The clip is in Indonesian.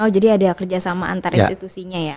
jadi ada kerjasama antar institusinya ya